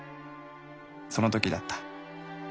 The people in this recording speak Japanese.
その時だった。